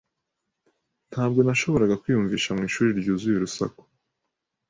Ntabwo nashoboraga kwiyumvisha mu ishuri ryuzuye urusaku.